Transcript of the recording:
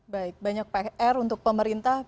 baik banyak pr untuk pemerintah